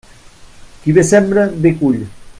Qui bé sembra, bé cull.